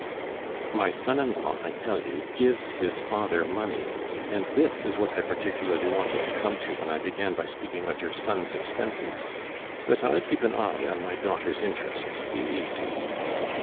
"My son in law, I tell you, gives his father money, and this is what I particularly wanted to come to when I began by speaking of your son's expenses. But I keep an eye on my daughter's interests, be easy."